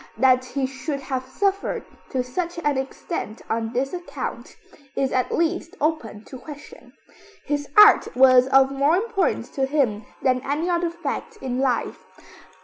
That he should have suffered to such an extent on this account, is at least open to question. His art was of more importance to him than any other fact in life.